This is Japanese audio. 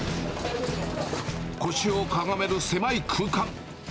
腰をかがめる狭い空間。